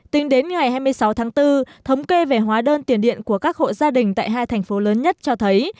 tính đến ngày hai mươi sáu tháng bốn thống kê về hóa đơn tiền điện của các hộ gia đình tại hai thành phố lớn nhất cho thấy